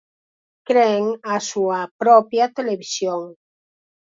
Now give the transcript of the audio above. Creen a súa propia televisión.